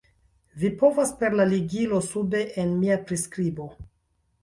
Vi povas per la ligilo sube en mia priskribo